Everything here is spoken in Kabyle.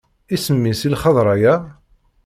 Isem-is i lxeḍra-ya?